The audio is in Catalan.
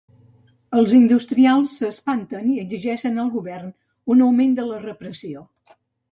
Els industrials s'espanten i exigeixen al govern un augment de la repressió.